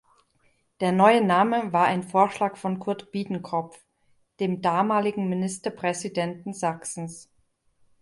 Der neue Name war ein Vorschlag von Kurt Biedenkopf, dem damaligen Ministerpräsidenten Sachsens.